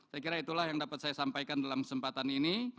saya kira itulah yang dapat saya sampaikan dalam kesempatan ini